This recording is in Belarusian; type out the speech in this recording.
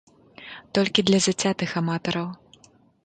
Толькі для зацятых аматараў!